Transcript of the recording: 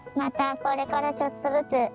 これからちょっとずつ。